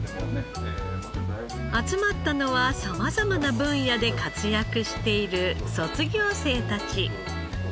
集まったのは様々な分野で活躍している卒業生たち。